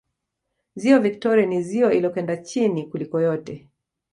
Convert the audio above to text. Ziwa Viktoria ni ziwa illokwenda chini kuliko yote